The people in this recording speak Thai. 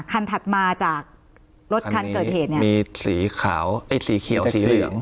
ถัดมาจากรถคันเกิดเหตุเนี่ยมีสีขาวไอ้สีเขียวสีเหลือง